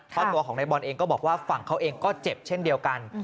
เพราะตัวของนายบอลเองก็บอกว่าฝั่งเขาเองก็เจ็บเช่นเดียวกัน